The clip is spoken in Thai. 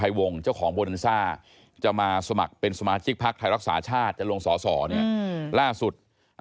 ที่รับรัชการตำรวจต่อไป